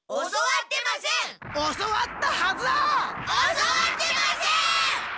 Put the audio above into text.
教わってません！